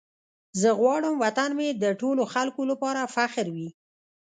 زه غواړم وطن مې د ټولو خلکو لپاره فخر وي.